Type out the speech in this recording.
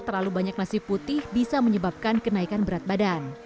terlalu banyak nasi putih bisa menyebabkan kenaikan berat badan